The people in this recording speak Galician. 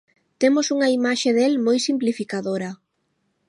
Temos unha imaxe del moi simplificadora.